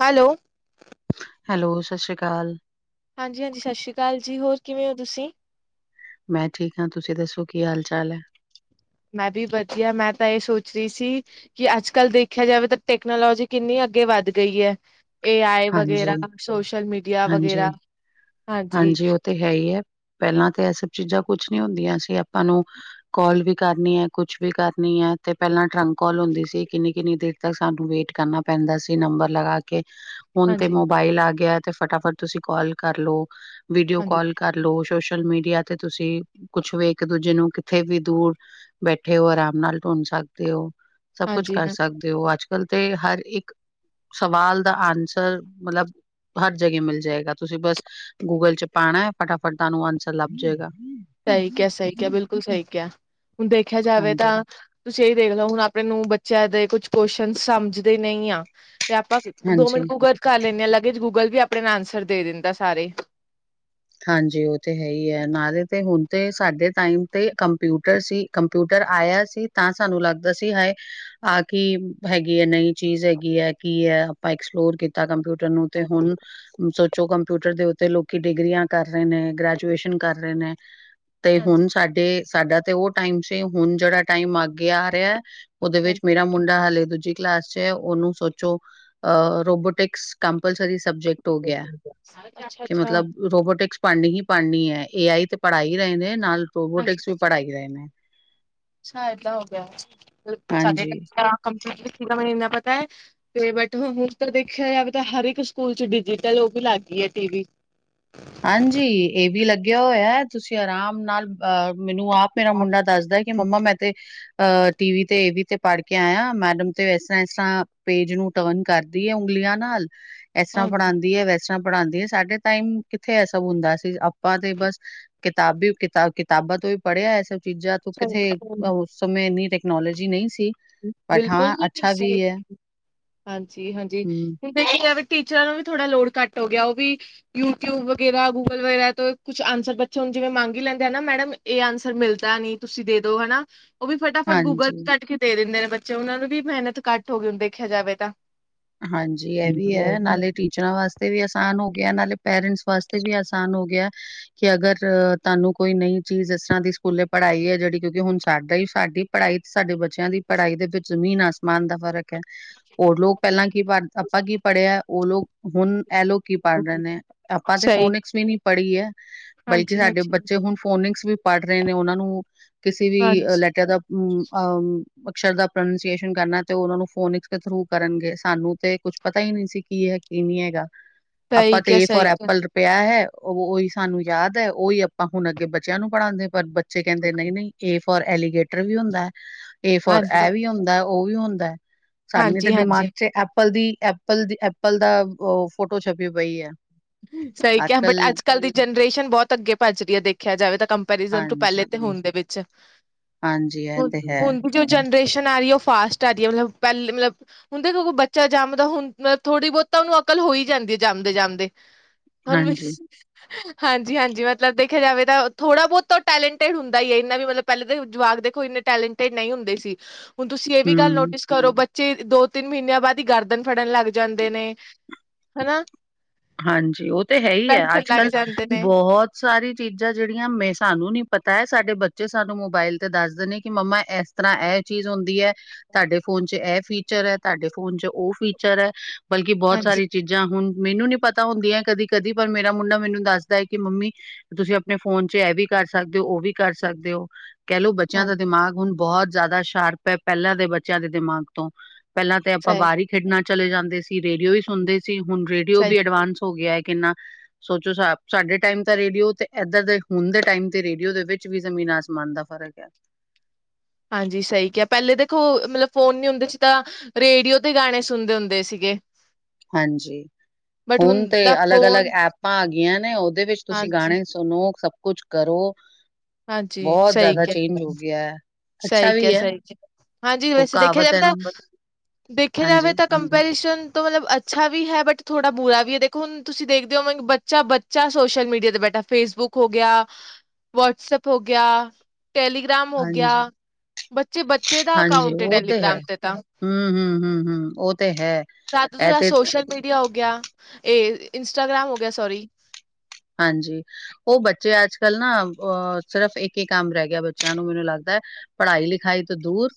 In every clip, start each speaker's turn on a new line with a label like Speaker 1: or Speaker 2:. Speaker 1: Hello
Speaker 2: hello ਸਤਿ ਸ੍ਰੀ ਅਕਾਲ
Speaker 1: ਹਾਂਜੀ ਹਾਂਜੀ ਸਤਿ ਸ਼੍ਰੀ ਅਕਾਲ ਜੀ ਹੋਰ ਕਿਵੇਂ ਹੋ ਤੁਸੀਂ
Speaker 2: ਮੈਂ ਠੀਕ ਹਾਂ ਤੁਸੀਂ ਦੱਸੋ ਕੀ ਹਾਲ ਚਾਲ ਹੈ
Speaker 1: ਮੈਂ ਵੀ ਵਧੀਆ ਮੈਂ ਤਾਂ ਇਹ ਸੋਚ ਰਹੀ ਸੀ ਕਿ ਅੱਜ ਕੱਲ੍ਹ ਦੇਖਿਆ ਜਾਵੇ ਤਾਂ ਟੈਕਨੋਲੋਜੀ ਕਿੰਨੀ ਅੱਗੇ ਵੱਧ ਗਈ ਹੈ ਏ ਆਈ
Speaker 2: ਹਾਂਜੀ,
Speaker 1: ਵਗੈਰਾ ਸੋਸ਼ਲ ਮੀਡੀਆ ਵਗੈਰਾ
Speaker 2: ਹਾਂਜੀ,
Speaker 1: ਹਾਂਜੀ
Speaker 2: ਤੇ ਹੈ ਹੀ ਹੈ ਪਹਿਲਾਂ ਤਾਂ ਇਹ ਸਭ ਚੀਜ਼ਾਂ ਕੁਛ ਨੀ ਹੁੰਦੀਆਂ ਸੀ ਆਪਾਂ ਨੂੰ ਕੋਲ ਵੀ ਕਰਨੀ ਹੈ ਕੁਛ ਵੀ ਕਰਨੀ ਹੈ ਤੇ ਪਹਿਲਾਂ ਟਰੰਕ ਕੋਲ ਹੁੰਦੀ ਸੀ ਕਿੰਨੀ ਕਿੰਨੀ ਦੇਰ। ਤ ਸਾਨੂੰ ਵੇਟ ਕਰਨਾ ਪੈਂਦਾ ਸੀ ਨੰਬਰ ਲਗਾ ਕੇ। ਹੁਨ ਤੇ
Speaker 1: ਹਾਂਜੀ-ਹਾਂਜੀ-ਹਾਂਜੀ।
Speaker 2: ਮੋਬਾਇਲ ਆ ਗਿਆ ਤੇ ਫਟਾਫਟ ਤੁਸੀਂ ਕਾਲ ਕਰਲੋ ਵੀਡੀਓ ਕੋਲ ਕਰਲੋ। ਲ ਸੋਸ਼ਲ ਮੀਡੀਆ ਤੇ ਤੁਸੀ ਕੁੱਛ ਵੀ ਇੱਕ ਦੂਜੇ ਨੂੰ ਕਿੱਥੇ ਵੀ ਦੂਰ ਬੈਠੇ ਹੋ ਆਰਾਮ ਨਾਲ ਢੂੰਡ ਸਕਦੇ ਹੋ। ਸਭ ਕੁਛ
Speaker 1: ਹਾਂਜੀ
Speaker 2: ਕਰ
Speaker 1: ਹਾਂ
Speaker 2: ਸਕਦੇ ਹੋ ਅੱਜ ਕੱਲ ਤੇ ਹਰ ਇੱਕ ਸਵਾਲ ਦਾ ਆਨਸਰ ਮਤਲਬ। ਹਰ ਜਗਾ ਮਿਲ ਜਾਏਗਾ ਤੁਸੀਂ ਬਸ ਗੂਗਲ ਚ ਪਾਣਾ ਫਟਾਫਟ ਤੁਹਾਨੂੰ ਆਂਸਰ ਲੱਭ ਜੇਗਾ।
Speaker 1: ਸਹੀ ਕਿਆ ਸਹੀ ਕਿਆ ਬਿਲਕੁਲ ਸਹੀ ਕਿਆ ਹੁਣ ਵੇਖਿਆ ਜਾਵੇ ਤਾਂ
Speaker 2: ਹਾਂਜੀ,
Speaker 1: ਤੁਸੀਂ ਇਹੀ ਦੇਖ ਲਓ ਹੁਣ ਆਪਣੇ ਨੂੰ ਬੱਚਿਆਂ ਦੇ ਕੁਛ ਕੁਸ਼ਚਨ ਸਮਝਦੇ ਨਹੀਂ ਆ। ਤੇ ਆਪਾਂ ਦੋ ਮਿੰਟ
Speaker 2: ਹਾਂਜੀ,
Speaker 1: ਗੂਗਲ ਕਰ ਲੈਂਦੇ ਹਾਂ ਲੱਗੇ ਚ ਗੂਗਲ ਵੀ ਆਪਣੇ ਨਾਲ ਆਂਸਰ ਦੇ ਦਿੰਦਾ ਸਾਰੇ।
Speaker 2: ਹਾਂਜੀ ਉਹ ਤੇ ਹੈ ਹੀ ਹੈ ਨਾਲੇ ਤੇ ਹੁਣ ਤੇ ਸਾਡੇ ਟਾਈਮ ਤੇ ਕੰਪਿਊਟਰ ਸੀ। ਕੰਪਿਊਟਰ ਆਇਆ ਸੀ ਤਾਂ ਸਾਨੂੰ ਲੱਗਦਾ ਸੀ ਹਾਏ ਆਹ ਕੀ ਹੈਗੀ ਹੈ ਨਈਂ ਚੀਜ਼ ਹੈਗੀ ਹੈ ਕੀ ਹੈ ਆਪਾਂ ਐਕਸਪਲੋਰ ਕੀਤਾ। ਕੰਪਿਊਟਰ ਨੂੰ ਤੇ ਹੁਣ ਸੋਚੋ ਕੰਪਿਊਟਰ ਦੇ ਉੱਤੇ ਲੋਕੀ ਡਿਗਰੀਆਂ ਕਰ ਰਹੇ ਨੇ ਗ੍ਰੈਜੂਏਸ਼ਨ ਕਰ ਰਹੇ ਨੇ ਤੇ ਹੁਣ ਸਾਡੇ। ਸਾਡਾ ਤੇ ਉਹ ਟਾਈਮ ਸੀ ਹੁਣ ਜਿਹੜਾ ਟਾਈਮ ਅੱਗੇ ਆ ਰਿਹਾ ਉਹਦੇ ਵਿੱਚ
Speaker 1: ਹਾਂਜੀ-ਹਾਂਜੀ
Speaker 2: ਮੇਰਾ ਮੁੰਡਾ ਹਾਲੇ ਦੂਜੀ। ਕਲਾਸ ਚ ਉਹਨੂੰ ਸੋਚੋ ਅ ਰੋਬੋਟਿਕਸ ਕੰਪਲਸਰੀ ਸਬਜੈਕਟ। ਹੋ ਗਿਆ
Speaker 1: [unintelligible] ਅੱਛਾ
Speaker 2: ਕਿ
Speaker 1: ਅੱਛਾ।
Speaker 2: ਮਤਲਬ ਰੋਬੋਟਿਕਸ ਪੜ੍ਹਨੀ ਹੀ ਪੜ੍ਹਨੀ ਹੈ ਏ ਆਈ ਤੇ ਪੜ੍ਹਾ ਹੀ ਰਹੇ ਨੇ ਨਾਲ। ਰੋਬੋਟਿਕਸ ਵੀ ਪੜਾ ਹੀ ਰਹੇ ਨੇ।
Speaker 1: [unintelligible] ਅੱਛਾ ਏਦਾ ਹੋਗਿਆ।
Speaker 2: ਹਾਂਜੀ
Speaker 1: ਤੇ ਬਟ ਹੁਣ ਤਾਂ ਦੇਖਿਆ ਜਾਵੇ ਤਾਂ ਹਰ ਸਕੂਲ ਚ ਡਿਜੀਟਲ ਉਹ ਵੀ ਲੱਗ ਗਈ ਹੈ ਟੀ ਵੀ।
Speaker 2: [inaudible] ਹਾਂਜੀ ਇਹ ਵੀ ਲੱਗਿਆ ਹੋਇਆ ਤੁਸੀਂ ਆਰਾਮ ਨਾਲ ਅ ਮੈਨੂੰ ਆਪ ਮੇਰਾ ਮੁੰਡਾ ਦੱਸਦਾ। ਕਿ ਮੰਮਾ ਮੈਂ ਤੇ ਅ ਟੀਵੀ ਤੇ ਏਵੀ ਤੇ ਪੜ੍ਹ ਕੇ ਆਇਆ ਮੈਡਮ ਤੇ ਇਸ ਤਰ੍ਹਾਂ ਇਸ ਤਰ੍ਹਾਂ ਪੇਜ ਨੂੰ। ਟਰਨ ਕਰਦੀ ਹੈ ਉਂਗਲੀਆਂ ਨਾਲ ਇਸ ਤਰ੍ਹਾਂ ਪੜ੍ਹਾਉਦੀ ਹੈ ਵੈਸਤਰਾ ਤਰ੍ਹਾਂ ਪੜ੍ਹਾਉਂਦੀ ਹੈ ਸਾਡੇ ਟਾਈਮ। ਕਿੱਥੇ ਇਹ ਸਭ ਹੁੰਦਾ ਸੀ ਆਪਾਂ ਤੇ ਬਸ ਕਿਤਾਬੀ ਕਿਤਾ ਕਿਤਾਬਾਂ ਤੋਂ ਵੀ ਪੜ੍ਹਿਆ ਇਹ ਸਭ ਚੀਜ਼ਾਂ। ਤ ਕਿੱਥੇ ਉਸ ਸਮੇਂ ਇੰਨੀ ਟੈਕਨੋਲੋਜੀ ਨਹੀਂ ਸੀ।
Speaker 1: [inaudible]
Speaker 2: ਬਟ
Speaker 1: ਬਿਲਕੁਲ
Speaker 2: ਹਾਂ
Speaker 1: ਜੀ
Speaker 2: ਅੱਛਾ ਵੀ
Speaker 1: ਸਹੀ
Speaker 2: ਹੈ,
Speaker 1: ਹਾਂਜੀ ਹਾਂਜੀ।
Speaker 2: ਹੂੰ,
Speaker 1: ਵੇਖੀ ਜਾਵੇ ਟੀਚਰਾਂ ਨੂੰ ਵੀ ਥੋੜ੍ਹਾ ਲੋਡ ਘੱਟ ਹੋ ਗਿਆ ਉਹ ਵੀ ਯੂਟਿਊਬ ਵਗੈਰਾ ਗੂਗਲ ਵਗੈਰਾ ਤੋਂ ਕੁਛ ਆਂਸਰ ਬੱਚੇ ਹਨ ਜਿਵੇਂ ਮਾਂਗ ਲੈਂਦੇ ਨਾ ਮੈਡਮ। ਇਹ ਆਂਸਰ ਮਿਲਦਾ ਨਹੀਂ ਤੁਸੀਂ ਦੇ ਦੋ ਹਨਾ। ਉਹ ਵੀ ਫਟਾਫਟ ਗੂਗਲ
Speaker 2: ਹਾਂਜੀ।
Speaker 1: ਕੱਢ ਕੇ ਦੇ ਦਿੰਦੇ ਨੇ ਬੱਚੇ ਉਹਨਾਂ ਨੂੰ ਵੀ ਮਿਹਨਤ ਘੱਟ ਹੋਵੇ ਦੇਖਿਆ ਜਾਵੇ ਤਾਂ।
Speaker 2: ਹਾਂਜੀ ਇਹ ਵੀ ਹੈ ਨਾਲੇ ਟੀ ਬੱਚਿਆਂ ਵਾਸਤੇ ਵੀ ਆਸਾਨ ਹੋ ਗਿਆ ਨਾਲੇ ਪੇਰੈਂਟਸ ਵਾਸਤੇ ਵੀ ਆਸਾਨ ਹੋ ਗਿਆ। ਕਿ ਅਗਰ ਤੁਹਾਨੂੰ ਕੋਈ ਨਈ ਚੀਜ਼ ਇਸ ਤਰ੍ਹਾਂ ਦੀ ਸਕੂਲੇ ਪੜ੍ਹਾਈ ਹੈ ਜਿਹੜੀ ਕਿਉਂਕਿ ਹੁਣ ਸਾਡਾ ਹੀ ਸਾਡੀ ਪੜ੍ਹਾਈ ਸਾਡੇ ਬੱਚਿਆਂ ਦੀ ਪੜ੍ਹਾਈ ਦੇ ਵਿੱਚ ਜ਼ਮੀਨ ਆਸਮਾਨ ਦਾ ਫ਼ਰਕ ਹੈ। ਹੋਰ ਲੋਕ ਪਹਿਲਾਂ ਕੀ ਪੜ੍ਹਿਆ ਆਪਾਂ ਕੀ ਪੜ੍ਹਿਆ ਉਹ ਲੋਕ ਹੁਣ ਐਲੋਕ ਕੀ ਪੜ੍ਹ ਰਹੇ
Speaker 1: ਹੈ
Speaker 2: ਨੇ ਆਪਾਂ ਤੇ
Speaker 1: ਸਹੀ
Speaker 2: ਫੋਨਿਕਸ ਵੀ ਨੀ ਪੜ੍ਹੀ ਹੈ। ਬਲਕਿ
Speaker 1: ਹਾਂਜੀ,
Speaker 2: ਸਾਡੇ
Speaker 1: ਹਾਂਜੀ,
Speaker 2: ਬੱਚੇ ਹੁਣ ਫੋਨਿਕਸ ਵੀ ਪੜ੍ਹ ਰਹੇ ਨੇ ਉਹਨਾਂ ਨੂੰ ਕਿਸੇ ਵੀ
Speaker 1: ਹਾਂਜੀ
Speaker 2: ਲੈਟਰ ਦਾ। ਹਮ ਅਕਸ਼ਰ ਦਾ ਪ੍ਰੋਨਾਸੀਏਸ਼ਨ ਕਰਨਾ ਤੇ ਉਹ ਉਹ ਨੂੰ ਫੋਨਿਕਸ ਦੇ ਥਰੂ ਕਰਨਗੇ। ਸਾਨੂੰ ਤੇ ਕੁੱਛ ਪਤਾ ਹੀ ਨਹੀਂ ਸੀ ਕੀ ਹੈ ਕੀ ਨਹੀਂ ਹੈਗਾ ਆਪਾਂ
Speaker 1: ਸਹੀ
Speaker 2: ਤੇ
Speaker 1: ਕਿਹਾ,
Speaker 2: ਏ
Speaker 1: ਸਹੀ
Speaker 2: ਫੋਰ ਐਪਲ। ਪਿਆ ਹੈ ਉਹ ਉਹੀ ਸਾਨੂੰ ਯਾਦ ਹੈ ਉਹੀ ਆਪਾਂ ਹੁਣ ਅੱਗੇ ਬੱਚਿਆਂ ਨੂੰ ਪੜ੍ਹਾਉਂਦੇ ਪਰ। ਕਹਿੰਦੇ
Speaker 1: ਕਿਹਾ।
Speaker 2: ਨਹੀਂ ਨਹੀਂ ਏ ਫਰ ਐਲੀਗੇਟਰ ਵੀ ਹੁੰਦਾ ਹੈ ਏ ਫਰ
Speaker 1: ਹਾਂਜੀ,
Speaker 2: ਇਹ ਵੀ ਹੁੰਦਾ। ਉਹ ਵੀ ਹੁੰਦਾ ਹੈ ਸਾਨੂੰ ਤੇ
Speaker 1: ਹਾਂਜੀ,
Speaker 2: ਦਿਮਾਗ
Speaker 1: ਹਾਂਜੀ
Speaker 2: ਤੇ ਐਪਲ ਦੀ ਐਪਲ ਦੀ ਐਪਲ ਦਾ ਉਹ ਫੋਟੋ ਛਪੀ ਪਈ ਹੈ।
Speaker 1: ਸਹੀ ਕਿਹਾ ਬਟ ਅੱਜ ਕੱਲ ਦੀ ਜਨਰੇਸ਼ਨ ਬਹੁਤ ਅੱਗੇ ਭੱਜ ਰਹੀ ਹੈ ਦੇਖਿਆ ਜਾਵੇ ਤਾਂ ਕੰ [inaudible] ਕੋਮਪੈਰੀਜਨ ਪਹਿਲ਼ੇ
Speaker 2: ਹਾਂਜੀ
Speaker 1: ਤੇ ਹੋਣੇ ਦੇ ਵਿੱਚ।
Speaker 2: ਹਾਂਜੀ ਇਹ ਤੇ ਹੈ
Speaker 1: ਜੋ ਜਨਰੇਸ਼ਨ ਆ ਰਹੀ ਹੈ ਉਹ ਫਾਸ਼ਟ ਆ ਰਹੀ ਹੈ ਮਤਲਬ ਪਹਿਲੇ ਮਤਲਬ। ਹੁੰਣ ਦੇਖੋ ਕੋਈ ਬੱਚਾ ਜੰਮਦਾ ਹੁਣ ਥੋੜ੍ਹੀ ਬਹੁਤਾ ਉਹਨੂੰ ਅਕਲ ਹੋ ਹੀ ਜਾਂਦੀ ਹੈ ਜਮਦੇ ਜਾਮਦੇ। [unintelligible] ਹੁਣ।
Speaker 2: ਹਾਂਜੀ,
Speaker 1: ਹਾਂਜੀ ਹਾਂਜੀ ਮਤਲਬ ਦੇਖਿਆ ਜਾਵੇ ਤਾਂ ਥੋੜ੍ਹਾ ਬਹੁਤ ਤਾਂ ਟੈਲੈਂਟਿਡ ਹੁੰਦਾ ਹੀ ਹੈ ਇੰਨਾ ਵੀ ਮਤਲਬ ਪਹਿਲੇਾਂ ਦੇ ਜਵਾਕ ਦੇਖੋ ਇੰਨੇ ਟੈਲੈਂਟ ਨਹੀਂ ਹੁੰਦੇ ਸੀ ਹੁਣ ਤੁਸੀਂ ਇਹ ਵੀ ਗੱਲ
Speaker 2: ਹੂੰ,
Speaker 1: ਨੋਟਿਸ ਘਰੋ ਬੱਚੇ ਦੋ ਤਿੰਨ ਮਹੀਨਿਆਂ ਬਾਅਦ ਹੀ ਗਰਦਨ ਫੜਨ ਲੱਗ ਜਾਂਦੇ ਨੇ ਹਨਾ।
Speaker 2: ਹਾਂਜੀ ਉਹ ਤੇ ਹੈ ਹੀ ਹੈ
Speaker 1: ਬੈਠਣ
Speaker 2: ਅੱਜ
Speaker 1: ਲੱਗ
Speaker 2: ਕੱਲ
Speaker 1: ਜਾਂਦੇ ਨੇ
Speaker 2: ਬਹੁਤ ਸਾਰੀ ਚੀਜ਼ਾਂ ਜਿਹੜੀਆਂ ਮੈਂ ਸਾਨੂੰ ਨੀ ਪਤਾ ਹੈ ਸਾਡੇ ਬੱਚੇ ਸਾਨੂੰ ਮੋਬਾਇਲ ਤੇ ਦੱਸਦੇ ਨੇ ਕਿ ਮੰਮਾ ਇਸ ਇਸ ਤਰ੍ਹਾਂ ਇਹ ਚੀਜ਼ ਹੁੰਦੀ ਹੈ। ਤੁਹਾਡੇ ਫੋਨ ਚ ਇਹ ਫੀਚਰ ਹੈ ਤੁਹਾਡੇ ਫੋਨ ਚ ਉਹ ਫੀਚਰ ਹੈ ਬਲਕਿ ਬਹੁਤ
Speaker 1: ਹਾਂਜੀ
Speaker 2: ਸਾਰੀ ਚੀਜ਼ਾਂ ਜਾਂ ਹੁਣ ਮੈਨੂੰ ਨੀ ਪਤਾ ਹੁੰਦੀਆਂ ਕਦੀ ਕਦੀ ਪਰ ਮੇਰਾ ਮੁੰਡਾ ਮੈਨੂੰ ਦੱਸਦਾ ਹੈ ਕਿ ਮੰਮੀ ਤੁਸੀਂ ਆਪਣੇ ਫੋਨ ਚ ਇਹ ਵੀ ਕਰ ਸਕਦੇ ਹੋ ਉਹ ਵੀ ਕਰ ਸਕਦੇ ਹੋ। ਕਹਿਲਓ ਬੱਚਿਆਂ ਦਾ ਦਿਮਾਗ ਹੁਣ ਬਹੁਤ ਜ਼ਿਆਦਾ ਸ਼ਾਰਪ ਹੈ ਪਹਿਲਾਂ ਦੇ ਬੱਚਿਆਂ ਦੇ ਦਿਮਾਗ ਤੋਂ ਪਹਿਲਾਂ ਤੇ ਆਪਾਂ
Speaker 1: ਸਹੀ
Speaker 2: ਬਾਹਰ ਹੀ ਖੇਡਣਾ ਚਲੇ ਜਾਂਦੇ ਸੀ। ਰੇਡੀਓ ਵੀ ਸੁਣਦੇ ਸੀ ਹੁਣ ਰੇਡੀਓ
Speaker 1: ਸਹੀ
Speaker 2: ਵੀ ਅਡਵਾਂਸ ਹੋ ਗਿਆ ਹੈ ਕਿੰਨਾ ਸੋਚੋ ਸਾਡੇ ਟਾਈਮ ਤਾਂ ਰੇਡੀਓ ਤੇ ਇੱਧਰ ਦੇ ਹੁਣ ਦੇ ਟਾਈਮ ਤੇ ਰੇਡੀਓ ਦੇ ਵਿੱਚ ਵੀ ਜ਼ਮੀਨ ਆਸਮਾਨ ਦਾ ਫਰਕ ਹੈ।
Speaker 1: ਹਾਂਜੀ ਸਹੀ ਕਿਹਾ ਪਹਿਲੇ ਦੇਖੋ ਮਤਲਬ ਫੋਨ ਨੀ ਹੁੰਦੇ ਸੀ ਤਾਂ ਰੇਡੀਓ ਤੇ ਗਾਣੇ ਸੁਣਦੇ ਹੁੰਦੇ ਸੀਗੇ।
Speaker 2: ਹਾਂਜੀ
Speaker 1: ਬਟ
Speaker 2: ਹੁਣ ਤੇ
Speaker 1: ਦਾ
Speaker 2: ਅਲੱਗ ਅਲੱਗ
Speaker 1: ਫੋਨ
Speaker 2: ਐਪਾਂ ਆ ਗਈਆਂ ਨੇ ਉਹਦੇ ਵਿੱਚ ਤੁਸੀਂ
Speaker 1: ਹਾਂਜੀ
Speaker 2: ਗਾਣੇ ਸੁਣੋ ਸਭ ਕੁਛ ਕਰੋ।
Speaker 1: ਹਾਂਜੀ
Speaker 2: ਬਹੁਤ
Speaker 1: ਸਹੀ
Speaker 2: ਜ਼ਿਆਦਾ
Speaker 1: ਕਿਹਾ।
Speaker 2: ਚੇਂਜ ਹੋ ਗਿਆ ਹੈ
Speaker 1: ਸਹੀ
Speaker 2: ਅੱਛਾ
Speaker 1: ਕਿਹਾ
Speaker 2: ਵੀ
Speaker 1: ਹੈ ਸਹੀ ਕਿਹਾ ਹਾਂਜੀ
Speaker 2: ਉਹ
Speaker 1: ਵੈਸੇ ਦੇਖਿਆ
Speaker 2: ਕਹਾਵਤ
Speaker 1: ਜਾਵੇ
Speaker 2: ਹੈ।
Speaker 1: ਤਾਂ ਦੇਖਿਆ ਜਾਵੇ
Speaker 2: ਹਾਂਜੀ
Speaker 1: ਤਾ ਕੰਪੀਟੀਸ਼ਨ ਤੋਂ ਮਤਲਬ ਅੱਛਾ ਵੀ ਹੈ ਬਟ ਥੋੜ੍ਹਾ ਬੁਰਾ ਵੀ ਹੈ ਦੇਖੋ ਹੁਣ ਤੁਸੀਂ ਦੇਖਦੇ ਹੋ ਮੈਂ ਬੱਚਾ ਬੱਚ ਬੱਚਾ ਸੋਸ਼ਲ ਮੀਡੀਆ ਤੇ ਬੈਠਾ ਫੇਸਬੁੱਕ ਹੋ ਗਿਆ ਵਟਸਪ ਹੋ ਗਿਆ ਟੈਲੀਗ੍ਰਾਮ ਹੋ ਗਿਆ।
Speaker 2: ਹਾਂਜੀ
Speaker 1: ਬੱਚੇ ਬੱਚੇ ਦਾ
Speaker 2: ਹਾਂਜੀ
Speaker 1: ਅਕਾਊਂਟ
Speaker 2: ਉਹ
Speaker 1: ਟੈਲੀਗ੍ਰਾਮ
Speaker 2: ਹੈ
Speaker 1: ਤੇ ਤਾਂ
Speaker 2: ਹਮ ਹਮ ਹਮ ਹਮ ਉਹ ਤੇ
Speaker 1: ਜ਼ਿਆਦਾ ਤੋਂ
Speaker 2: ਹੈ
Speaker 1: ਜ਼ਿਆਦਾ
Speaker 2: ਤੇ
Speaker 1: ਸੋਸ਼ਲ ਮੀਡੀਆ ਹੋ ਗਿਆ ਇਹ ਇੰਸਟਾਗ੍ਰਾਮ ਹੋ ਗਿਆ ਸੋਰੀ
Speaker 2: ਹਾਂਜੀ। ਉਹ ਬੱਚੇ ਅੱਜ ਕੱਲ੍ਹ ਨਾ ਅਹ ਸਿਰਫ਼ ਇੱਕ ਹੀ ਕੰਮ ਰਹਿ ਗਿਆ ਬੱਚਿਆਂ ਨੂੰ ਮੈਨੂੰ ਲੱਗਦਾ ਹੈ। ਪੜ੍ਹਾਈ ਲਿਖਾਈ ਤੋਂ ਦੂਰ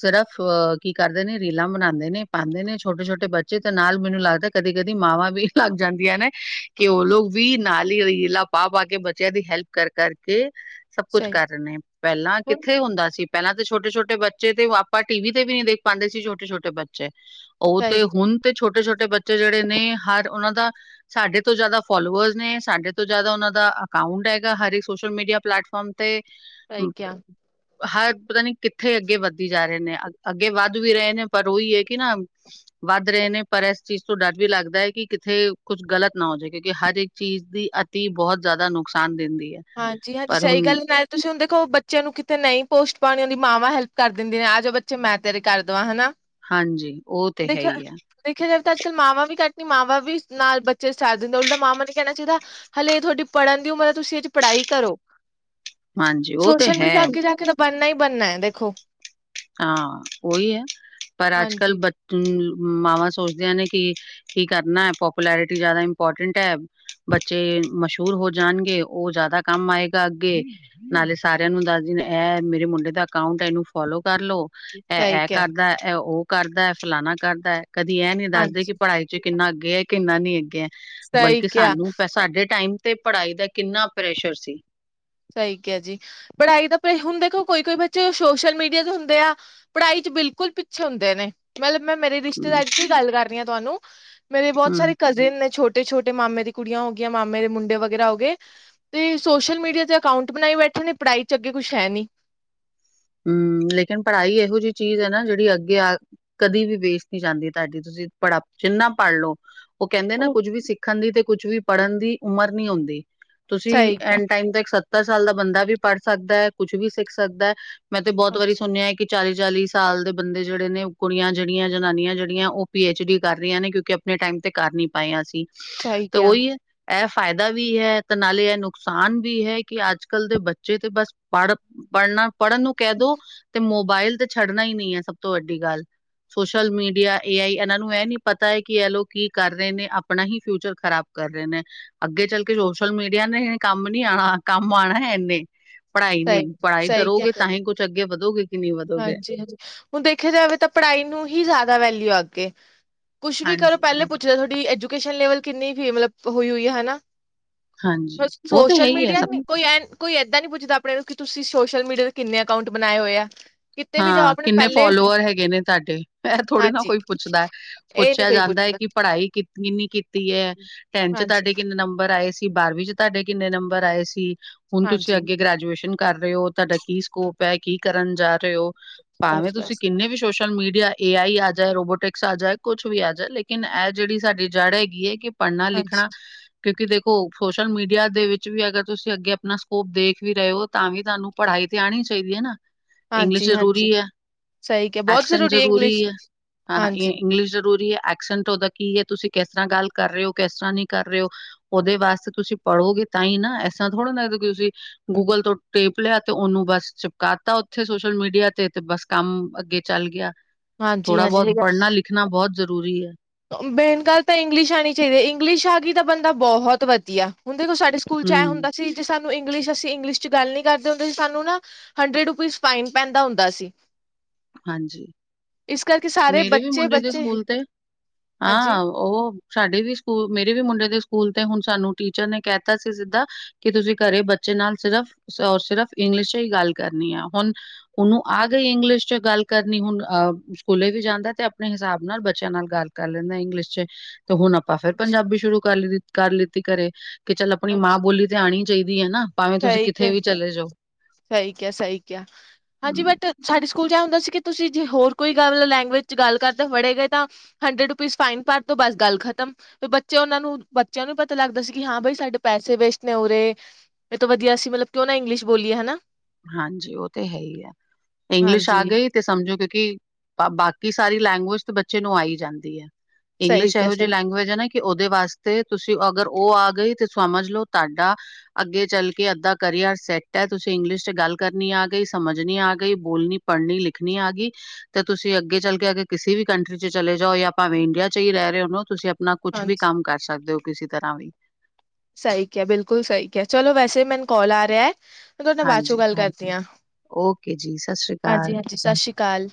Speaker 2: ਸਿਰਫ਼ ਕੀ ਕਰਦੇ ਨੇ ਰੀਲਾਂ ਬਣਾਦੇ ਨੇ ਪਾਂਦੇ ਨੇ ਛੋਟੇ ਛੋਟੇ ਬੱਚੇ ਤੇ ਨਾਲ ਮੈਨੂੰ ਲੱਗਦਾ ਕਦੇ ਕਦੀ ਮਾਵਾਂ ਵੀ ਲੱਗ ਜਾਂਦੀਆਂ ਨੇ ਕਿ ਉਹ ਲੋਕ ਵੀ ਨਾਲ ਹੀਲਾ ਪਾ ਪਾ ਕੇ ਬੱਚਿਆਂ ਦੀ ਹੈਲਪ ਕਰ ਕਰਕੇ ਸਭ ਕੁੱਛ
Speaker 1: ਸਹੀ
Speaker 2: ਕਰ ਰਹੇ ਨੇ ਪਹਿਲਾਂ
Speaker 1: ਹੁਣ
Speaker 2: ਕਿੱਥੇ ਹੁੰਦਾ ਸੀ। ਪਹਿਲਾਂ ਤਾਂ ਛੋਟੇ ਛੋਟੇ ਬੱਚੇ ਤੇ ਆਪਾਂ ਟੀ ਵੀ ਤੇ ਵੀ ਨਹੀ ਦੇਖ ਪਾਉਦੇ ਸੀ ਛੋਟੇ ਛੋਟੇ ਬੱਚੇ। ਉਹ
Speaker 1: ਸਹੀ
Speaker 2: ਤੇ
Speaker 1: ਕਿਹਾ
Speaker 2: ਹੁਣ। ਤੇ ਛੋਟੇ ਛੋਟੇ ਬੱਚੇ ਜਿਹੜੇ ਨੇ ਹਰ ਉਹਨਾਂ ਦਾ ਸਾਡੇ ਤੋਂ ਜ਼ਿਆਦਾ ਫੋਲੋਵਰਸ ਨੇ ਸਾਡੇ ਤੋਂ ਜ਼ਿਆਦਾ ਉਹਨਾਂ ਦਾ ਅਕਾਊਂਟ ਹੈਗਾ ਹਰ ਇੱਕ ਸੋਸ਼ਲ ਮੀਡੀਆ ਪਲੇਟਫਾਰਮ ਤੇ।
Speaker 1: ਸਹੀ ਕਿਹਾ
Speaker 2: ਹਰ ਪਤਾ ਨੀ ਕਿੱਥੇ ਅੱਗੇ ਵੱਧਦੀ ਜਾ ਰਹੇ ਨੇ ਅੱਗੇ ਵੱਧ ਵੀ ਰਹੇ ਨੇ ਪਰ ਉਹੀ ਹੈ ਕਿ ਨਾ ਵੱਧ ਰਹੇ ਨੇ ਪਰ ਇਸ ਚੀਜ਼ ਤੋਂ ਡਰ ਵੀ ਲੱਗਦਾ ਹੈ। ਕਿ ਕਿਥੇ ਕੁੱਝ ਗ਼ਲਤ ਨਾ ਹੋ ਜਾਵੇ ਕਿਉਂਕਿ ਹਰ ਇੱਕ ਚੀਜ਼ ਦੀ ਅਤੀ ਬਹੁਤ ਜ਼ਿਆਦਾ ਨੁਕਸਾਨ ਦਿੰਦੀ ਹੈ।
Speaker 1: ਹਾਂਜੀ ਹਾਂਜੀ
Speaker 2: ਪਰ
Speaker 1: ਸਹੀ
Speaker 2: ਹੁਣ
Speaker 1: ਗੱਲ ਮੈਂ ਤੁਸੀਂ ਹੁਣ ਦੇਖੋ ਬੱਚਿਆਂ ਨੂੰ ਕਿੱਥੇ ਨਹੀਂ ਪੋਸਟ ਪਾਉਣੀ ਹੁੰਦੀ ਮਾਵਾਂ ਹੈਲਪ ਕਰ ਦਿੰਦੀ ਨੇ ਆ ਜਾ ਬੱਚੇ ਮੈਂ ਤੇਰੇ ਕਰ ਦੇਵਾਂ ਹਨਾ।
Speaker 2: ਹਾਂਜੀ ਉਹ ਤੇ ਹੈ
Speaker 1: ਦੇਖਿਆ
Speaker 2: ਹੀ ਆ।
Speaker 1: ਦੇਖਿਆ ਜਾਵੇ ਤਾਂ ਅੱਜ ਕੱਲ ਮਾਵਾਂ ਵੀ ਘੱਟ ਨੀ ਮਾਵਾਂ ਵੀ ਨਾਲ ਬੱਚੇ ਸਾਥ ਦਿੰਦੇ ਉਲਟਾ ਮਾਵਾਂ ਨੇ ਕਹਿਣਾ ਚਾਹੀਦਾ ਹਲੇੇ ਇਹ ਤੁਹਾਡੀ ਪੜ੍ਹਨ ਦੀ ਉਮਰ ਹੈ ਤੁਸੀਂ ਅੱਜ ਪੜ੍ਹਾਈ ਕਰੋ
Speaker 2: ਹਾਂਜੀ ਉਹ ਤੇ
Speaker 1: ਸੋਸ਼ਲ
Speaker 2: ਹੈ
Speaker 1: ਮੀਡੀਆ ਅੱਗੇ ਜਾ ਕੇ ਤਾਂ ਬਣਨਾ ਹੀ ਬਣਨਾ ਹੈ ਦੇਖੋ।
Speaker 2: ਹਾਂ ਉਹੀ ਹੈ ਪਰ ਅੱਜ ਕੱਲ
Speaker 1: ਹਾਂਜੀ
Speaker 2: ਮਾਵਾਂ ਸੋਚਦੀਆਂ ਨੇ ਕਿ ਕੀ ਕਰਨਾ ਪੋਪੂਲੈਰਿਟੀ ਜ਼ਿਆਦਾ ਇੰਪੋਰਟੈਂਟ ਹੈ। ਬੱਚੇ ਮਸ਼ਹੂਰ ਹੋ ਜਾਣਗੇ ਉਹ ਜਾਦਾ ਕੰਮ ਆਏਗਾ ਅੱਗੇ। ਨਾਲੇ ਸਾਰਿਆਂ ਨੂੰ ਦੱਸਦੀ ਇਹ ਮੇਰੇ ਮੁੰਡੇ ਦਾ ਅਕਾਊਂਟ ਇਹਨੂੰ ਫੋਲੋ ਕਰਲੋ ਏ
Speaker 1: ਸਹੀ
Speaker 2: ਆ
Speaker 1: ਕਿਹਾ
Speaker 2: ਕਰਦਾ ਇਹ ਉਹ ਕਰਦਾ ਫਲਾਨਾ ਕਰਦਾ। ਕਦੀ ਇਹਂ ਨੀ ਦੱਸਦੇ ਕਿ
Speaker 1: ਹਾਂਜੀ।
Speaker 2: ਪੜ੍ਹਾਈ ਚ ਕਿੰਨਾ ਅੱਗੇ ਹੈ ਕਿੰਨਾ ਨੀ ਅੱਗੇ ਹੈ।
Speaker 1: ਸਹੀ
Speaker 2: ਬਲਕਿ
Speaker 1: ਕਿਹਾ
Speaker 2: ਸਾਨੂੰ ਸਾਡੇ ਟਾਈਮ ਤੇ ਪੜ੍ਹਾਈ ਦਾ ਕਿੰਨਾ ਪ੍ਰੈਸ਼ਰ ਸੀ।
Speaker 1: ਸਹੀ ਕਿਹਾ ਜੀ ਪੜ੍ਹਾਈ ਦਾ ਹੁਣ ਦੇਖੋ ਕੋਈ-ਕੋਈ ਬੱਚੇ ਸੋਸ਼ਲ ਮੀਡੀਆ ਚ ਹੁੰਦੇ ਆ ਪੜ੍ਹਾਈ ਚ ਬਿਲਕੁਲ ਪਿੱਛੇ ਹੁੰਦੇ ਨੇ। ਮਤਲਬ ਮੈਂ ਮੇਰੇ ਰਿਸ਼ਤੇਦਾਰੀ
Speaker 2: ਹੂੰ-ਹੂੰ।
Speaker 1: ਚ ਹੀ ਗੱਲ ਕਰ ਰਹੀ ਹਾਂ ਤੁਹਾਨੂੰ ਮੇਰੇ ਬਹੁਤ ਸਾਰੇ ਕ ਤੇ ਇੰਨੇ ਛੋਟੇ-ਛੋਟੇ ਮਾਮੇ ਦੀ ਕੁੜੀਆਂ ਹੋ ਗਈਆਂ ਮਾਮੇ ਦੇ ਮੁੰਡੇ ਵਗੈਰਾ ਹੋ ਗਏ ਤੇ ਸੋਸ਼ਲ ਮੀਡੀਆ ਤੇ ਅਕਾਊਂਟ ਬਣਾਈ ਬੈਠੇ ਨੇ ਪੜ੍ਹਾਈ ਚ ਅੱਗੇ ਕੁਛ ਹੈ ਨੀ।
Speaker 2: ਹਮ ਲੇਕਿਨ ਪੜ੍ਹਾਈ ਇਹੋ ਜਿਹੀ ਚੀਜ਼ ਹੈ ਨਾ ਜਿਹੜੀ ਅੱਗੇ ਆ ਕਦੀ ਵੀ ਵੇਟ ਨੀ ਜਾਂਦੀ ਤੁਹਾਡੀ ਤੁਸੀ ਪੜਾ ਜਿੰਨਾ ਪੜ੍ਹ ਲਓ। ਉਹ ਕਹਿੰਦੇ ਨਾ ਕੁੱਝ ਵੀ ਸਿੱਖਣ ਦੀ ਤੇ ਕੁੱਝ ਵੀ ਪੜ੍ਹਨ ਦੀ ਉਮਰ ਨੀ ਹੁੰਦੀ। ਤੁਸੀਂ
Speaker 1: ਸਹੀ ਕਿਹਾ,
Speaker 2: ਐਂਡ ਟਾਈਮ ਤੋਂ ਇੱਕ ਸੱਤਰ ਸਾਲ ਦਾ ਬੰਦਾ ਵੀ ਪੜ੍ਹ ਸਕਦਾ ਕੁਛ ਵੀ ਸਿੱਖ ਸਕਦਾ। ਮੈਂ ਤੇ ਬਹੁਤ ਵਾਰੀ ਸੁਣਿਆ ਕਿ ਚਾਲੀ-ਚਾਲੀ ਸਾਲ ਦੇ ਬੰਦੇ ਜਿਹੜੇ ਨੇ ਕੁੜੀਆ ਜਿਹੜੀਆ ਜਨਾਨੀਆ ਜਿਹੜੀਆਂ ਉਹ ਪੀ ਐ ਡੀ ਕਰ ਰਹੀਆ ਨੇ ਕਿਉਂਕਿ ਆਪਣੇ ਟਾਈਮ ਤੇ ਕਰ ਨੀ ਪਾਈਆ ਸੀ
Speaker 1: ਸਹੀ
Speaker 2: ਤੇ
Speaker 1: ਕਿਹਾ,
Speaker 2: ਉਹੀ ਇਹ ਫਾਇਦਾ ਵੀ ਹੈ ਤੇ ਨਾਲੇ ਇਹ ਨੁਕਸਾਨ ਵੀ ਹੈ ਕਿ ਅੱਜ ਕੱਲ ਦੇ ਬੱਚੇ ਤੇ ਬੱਸ ਪੜ੍ਹ ਪੜ੍ਹਨਾ ਪੜ੍ਹਨ ਨੂੰ ਕਹਿ ਦੋ ਤੇ ਮੋਬਾਇਲ ਤੇ ਛੱਡਣਾ ਹੀ ਨੀ ਹੈ ਸਭ ਤੋਂ ਵੱਡੀ ਗੱਲ। ਸੋਸ਼ਲ ਮੀਡੀਆ, ਏ ਆਈ ਇਹਨਾਂ ਨੂੰ ਇਹ ਨੀ ਪਤਾ ਹੈ ਕਿ ਇਹ ਲੋ ਕੀ ਕਰ ਰਹੇ ਨੇ ਆਪਣਾ ਹੀ ਫਿਊਚਰ ਖ਼ਰਾਬ ਕਰ ਰਹੇ ਨੇ ਅੱਗੇ ਚੱਲ ਕੇ ਸੋਸ਼ਲ ਮੀਡੀਆ ਨੇ ਕੰਮ ਨੀ ਆਣਾ ਕੰਮ ਆਣਾ ਹੈ ਇੰਨੇ। ਪੜ੍ਹਾਈ ਨੇ
Speaker 1: ਸਹੀ
Speaker 2: ਪੜ੍ਹਾਈ
Speaker 1: ਸਹੀ ਕਿਹਾ,
Speaker 2: ਕਰੋਗੇ ਤਾਂ ਹੀ ਕੁੱਛ ਅੱਗੇ ਵਧੋਗੇ। ਕਿ ਨਹੀਂ ਵਧੋਗੇ।
Speaker 1: ਹਾਂਜੀ-ਹਾਂਜੀ ਹੁਣ ਦੇਖਿਆ ਜਾਵੇ ਤਾਂ ਪੜ੍ਹਾਈ ਨੂੰ ਹੀ ਜਾਦਾ ਵੈਲਿਊ ਹੈ ਅੱਗੇ। ਕੁਛ ਵੀ ਕਰੋ
Speaker 2: ਹਾਂਜੀ।
Speaker 1: ਪਹਿਲੇ ਪੁੱਛ ਲ ਤੁਹਾਡੀ ਐਜੂਕੇਸ਼ਨ ਲਵਲ ਕਿੰਨੀ ਮਤਲਬ ਹੋਈ-ਹੋਈ ਹੈ ਹਨਾ।
Speaker 2: ਹਾਂਜੀ, ਉਹ ਤਾਂ ਹੈ
Speaker 1: ਸੋਸ਼ਲ
Speaker 2: ਹੀ ਹੈ
Speaker 1: ਮੀਡੀਆ ਨੀ ਕੋਈ ਆ ਕੋਈ ਏਦਾਂ ਨ ਪੁੱਛਦਾ ਆਪਣੇ ਨੂੰ ਕਿ ਤੁਸੀ ਸੋਸ਼ਲ ਮੀਡੀਆ ਤੇ ਕਿੰਨੇ ਅਕਾਊਂਟ ਬਣਾਏ ਹੋਏ ਆ। ਕਿਤੇ ਵੀ ਜਾਓ
Speaker 2: ਹਾ
Speaker 1: ਆਪਣੇ
Speaker 2: ਕਿੰਨੇ
Speaker 1: ਪਹਿਲੇ
Speaker 2: ਫੋਲੋਅਰ ਹੈਗੇ ਨੇ ਤੁਹਾਡੇ ਐ ਥੋੜੀ ਨਾ
Speaker 1: ਹਾਂਜੀ,
Speaker 2: ਕੋਈ ਪੁੱਛਦਾ।
Speaker 1: ਇਹ ਨੀ
Speaker 2: ਪੁੱਛਿਆ
Speaker 1: ਕੋਈ
Speaker 2: ਜਾਂਦਾ ਹੈ
Speaker 1: ਪੁੱਛਦਾ
Speaker 2: ਕਿ ਪੜ੍ਹਾਈ ਕਿ ਕਿੰਨੀ ਕੀਤੀ ਹੈ ਟੈਨ ਚ
Speaker 1: ਹਾਂਜੀ,
Speaker 2: ਤੁਹਾਡੇ ਕਿੰਨੇ ਨੰਬਰ ਆਏ ਸੀ ਬਾਰਵੀਂ ਚ ਤੁਹਾਡੇ ਕਿੰਨੇ ਨੰਬਰ ਆਏ ਸੀ ਹੁਣ ਤੁਸੀਂ
Speaker 1: ਹਾਂਜੀ
Speaker 2: ਅੱਗੇ ਗ੍ਰੈਜੂਏਸ਼ਨ ਕਰ ਰਹੇ ਹੋ ਤੁਹਾਡਾ ਕੀ ਸਕੋਪ ਹੈ ਕੀ ਕਰਨ ਜਾ ਰਹੇ ਹੋ ਭਾਵੇਂ ਤੁਸੀਂ
Speaker 1: ਬਸ-ਬਸ।
Speaker 2: ਕਿੰਨੇ ਵੀ ਸੋਸ਼ਲ ਮੀਡੀਆ ਏ ਆਈ ਆ ਜਾਏ, ਰੂਬੋਟਿਕਸ ਆ ਜਾਏ ਕੁਛ ਵੀ ਆ ਜਾਏ ਲੇਕਿਨ ਇਹ ਜਿਹੜੀ ਸਾਡੀ ਜੜ੍ਹ ਹੈਗੀ ਹੈ ਕਿ ਪੜ੍ਹਨਾ
Speaker 1: ਹਾਂਜੀ,
Speaker 2: ਲਿਖਣਾ ਕਿਉਂਕਿ ਦੇਖੋ ਸੋਸ਼ਲ ਮੀਡੀਆ ਦੇ ਵਿੱਚ ਵੀ ਅਗਰ ਤੁਸੀਂ ਅੱਗੇ ਆਪਣਾ ਸਕੋਪ ਦੇਖ ਵੀ ਰਹੇ ਹੋ ਤਾਂ ਵੀ ਤੁਹਾਨੂੰ ਪੜ੍ਹਾਈ ਤੇ ਆਣੀ ਚਾਹੀਦੀ ਹੈ ਨਾ। ਇੰਗਲਿਸ਼ ਜ਼ਰੂਰੀ
Speaker 1: ਹਾਂਜੀ-ਹਾਂਜੀ
Speaker 2: ਹੈ।
Speaker 1: ਸਹੀ ਕਿਹਾ ਬਹੁਤ
Speaker 2: ਐਕਸ਼ਨ ਜ਼ਰੂਰੀ
Speaker 1: ਇੰਗਲਿਸ਼
Speaker 2: ਹੈ ਹਾਂ-ਹਾਂ
Speaker 1: ਹਾਂਜੀ,
Speaker 2: ਇੰਗਲਿਸ਼ ਜ਼ਰੂਰੀ ਹੈ ਐਕਸ਼ਨ ਓਦਾ ਕੀ ਹੈ ਤੁਸੀਂ ਕਿਸ ਤਰ੍ਹਾਂ ਗੱਲ ਕਰ ਰਹੇ ਹੋ ਕਿਸ ਤਰ੍ਹਾਂ ਨੀ ਕਰ ਰਹੇ ਹੋ। ਉਹਦੇ ਵਾਸਤੇ ਤੁਸੀਂ ਪੜ੍ਹੋਗੇ ਤਾਂ ਹੀ ਨਾ ਐਸਾ ਥੋੜ੍ਹਾ ਨਾ ਤੁਸੀ ਗੂਗਲ ਤੋਂ ਟੇਪ ਲਿਆ ਤੇ ਉਹਨੂੰ ਬਸ ਚਿਪਕਾਤਾ ਉ ਉੱਥੇ ਸੋਸ਼ਲ ਮੀਡੀਆ ਤੇ, ਤੇ ਬਸ ਕੰਮ ਅੱਗੇ ਚੱਲ ਗਿਆ ਥੋੜਾ ਬਹੁਤ
Speaker 1: ਹਾਂਜੀ-ਹਾਂਜੀ
Speaker 2: ਪੜ੍ਹਨਾ ਲਿਖ ਖਣਾ ਬੌਤ ਜ਼ਰੂਰੀ ਹੈ।
Speaker 1: ਬੇਨ ਗੱਲ ਤਾਂ ਇੰਗਲਿਸ਼ ਆਣੀ ਚਾਹੀਦੀ ਹੈ ਇੰਗਲਿਸ਼ ਆ ਗਈ ਤਾਂ ਬੰਦਾ ਬਹੁਤ ਵਧੀਆ ਹੁਣ ਦੇਖੋ ਸਾਡੇ ਸਕੂਲ ਚ ਆਇਆ
Speaker 2: ਹਮ
Speaker 1: ਹੁੰਦਾ ਸੀ ਤੇੇ ਸਾਨੂੰ ਇੰਗਲਸ਼ ਅਸੀ ਇੰਗਲਿਸ਼ ਚ ਗੱਲ ਨੀ ਕਰਦੇ ਹੁੰਦੇ ਸੀ ਸਾਨੂੰ ਨਾ ਹੰਡਰਡ ਰੁਪੀਜ਼ ਫਾਈਨ ਪੈਂਦਾ ਹੁੰਦਾ ਸੀ।
Speaker 2: ਹਾਂਜੀ
Speaker 1: ਇਸ ਕਰਕੇ ਸਾਰੇ
Speaker 2: ਮੇਰੇ ਵੀ ਮੁੰਡੇ ਦੇ
Speaker 1: ਬੱਚੇ-ਬੱਚੇ
Speaker 2: ਸਕੂਲ ਤੇ ਹਾਂ ਉਹ ਸਾਡੇ ਵੀ ਸਕੂਲ ਮੇਰੇ ਵੀ ਮੁੰਡੇ ਦੇ ਸਕੂਲ ਤੇ ਹੁਣ ਸਾਨੂੰ ਟੀਚਰ ਨੇ ਕਹਿ ਤਾ ਸੀ ਸਿੱਧਾ ਕਿ ਤੁਸੀਂ ਘਰੇ ਬੱਚੇ ਨਾਲ ਸਿਰਫ ਔਰ ਸਿਰਫ ਇੰਗਲਿਸ਼ ਚ ਹੀ ਗੱਲ ਕਰਨੀ ਹੈ ਹੁਣ ਹੁਣ ਉਹ ਆ ਗਈ ਇੰਗਲਿਸ਼। 'ਚ ਗੱਲ ਕਰਨੀ ਹੁਣ ਆ, ਸਕੂਲੇ ਵੀ ਜਾਂਦਾ ਤੇ ਆਪਣੇ ਹਿਸਾਬ ਨਾਲ ਬੱਚਿਆਂ ਨਾਲ ਗੱਲ ਕਰ ਲੈਨਾਂ ਇੰਗਲਿਸ਼ 'ਚ। ਤੇ ਹੁਣ ਆਪਾਂ ਫੇਰ ਪੰਜਾਬੀ ਸ਼ੁਰੂ ਕਰ ਲਿ ਕਰ ਲਿੱਤੀ ਘਰੇ, ਕਿ ਚੱਲ ਆਪਣੀ ਮਾਂ
Speaker 1: ਹਾਂਜੀ
Speaker 2: ਬੋਲੀ ਜਾਣੀ ਚਾਈਦੀ ਏ ਨਾ ਭਾਵੇਂ ਤੁਸੀਂ
Speaker 1: ਸਹੀ
Speaker 2: ਕਿੱਥੇ
Speaker 1: ਕੇਆ,
Speaker 2: ਵੀ ਚਲੇ ਜਾਓ।
Speaker 1: ਸਹੀ ਕਿਆ -ਸਹੀ ਕਿਆ, ਹਾਂਜੀ
Speaker 2: ਹੂੰ,
Speaker 1: ਬਟ ਸਾਡੇ ਸਕੂਲ 'ਚ ਅਹ ਹੁੰਦਾ ਸੀ ਕਿ ਤੁਸੀਂ ਜੇ ਹੋਰ ਕੋਈ ਗੱਲ ਲੈਂਗਵੇਜ 'ਚ ਗੱਲ ਕਰਦੇ ਫੜੇ ਗਏ ਤਾਂ ਹੰਡਰਡ ਰੁਪੀਜ਼ ਫਾਈਨ ਭਰ ਤੋ ਬਸ ਗੱਲ ਖ਼ਤਮ। ਫ ਬੱਚੇ ਉਹਨਾਂ ਨੂੰ ਬੱਚਿਆਂ ਨੂੰ ਵੀ ਪਤਾ ਲੱਗਦਾ ਸੀ ਕਿ ਹਾਂ ਬਈ ਸਾਡੇ ਪੈਸੇ ਵੇਸਟ ਨੇ ਉਰੇ। ਮੈਂ ਤੋਂ ਵਧੀਆ ਸੀ ਮਲਬ ਕਿਂਉ ਨਾ ਇੰਗਲਸ਼ ਬੋਲੀਏ ਹੈਨਾ।
Speaker 2: ਹਾਂਜੀ ਉਹ ਤੇ ਹੈ ਈ ਆ, ਇੰਗਲਿਸ਼ ਆ
Speaker 1: ਹਾਂਜੀ
Speaker 2: ਗਈ? ਤੇ ਸਮਝੋ ਕਿਉਂਕਿ, ਬ ਬਾਕੀ ਸਾਰੀ ਲੈਂਗੁਏਜ ਤੇ ਬੱਚੇ ਨੂੰ ਆ ਈ ਜਾਂਦੀ ਐ। ਇੰਗਲਿਸ਼ ਇਹੋ ਜਈ ਲੈਂਗੁਵੇਜ ਏ ਨਾ ਕਿ ਉਹਦੇ ਵਾਸਤੇ ਤੁਸੀਂ ਅਗਰ ਓ ਆ ਗਈ ਤੇ ਸਮਝ ਲੋ ਤਾਡਾ ਅੱਗੇ ਚੱਲ ਕੇ ਅੱਧਾ ਕਰੀਅਰ ਸੈਟ ਐ ਤੁਸੀਂ ਇੰਗਲਿਸ਼ 'ਚ ਗੱਲ ਕਰਨੀ ਆ ਗਈ ਸਮਝਨੀ ਆ ਗਈ ਬੋਲਣੀ, ਪੜ੍ਹਨੀ, ਲਿਖਣੀ ਆ ਗਈ ਤੇ ਤੁਸੀਂ ਅੱਗੇ ਚੱਲ ਕੇ ਅਗ ਕਿਸੇ ਵੀ ਕੰਟਰੀ 'ਚ ਚਲੇ ਜਾਓ ਜਾਂ ਭਾਵੇਂ ਇੰਡੀਆ 'ਚ ਈ ਰਹਿ ਰਹੇ ਹੋ ਤੁਸੀਂ ਆਪ ਆਪਣਾ ਕੁਛ ਵੀ
Speaker 1: ਹਾਂਜੀ
Speaker 2: ਕੰਮ ਕਰ ਸਕਦੇ ਓ ਕਿਸੀ ਤਰ੍ਹਾਂ ਵੀ।
Speaker 1: ਸਹੀ ਕਿਆ, ਬਿਲਕੁਲ ਸਹੀ ਕਿਆ ਚਲੋ ਵੈਸੇ ਮੈਨੂੰ ਕੋਲ ਆ ਰਿਆ ਮੈ ਤੁਹਾਡੇ ਨਾ ਬਾਦ ਚੋਂ
Speaker 2: ਹਾਂਜੀ,
Speaker 1: ਗੱਲ ਕਰਦੀ ਆਂ,
Speaker 2: ਓਕੇ ਜੀ, ਸਤਿ ਸ਼੍ਰੀ ਅਕਾਲ।
Speaker 1: ਹਾਂਜੀ-ਹਾਂਜੀ ਸ਼ਾਸ਼ੀ ਕਾਲ।